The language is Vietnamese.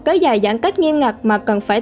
cái dài giãn cách nghiêm ngặt mà cần phải